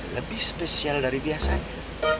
lebih spesial dari biasanya